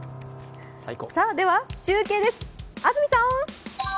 では、中継です。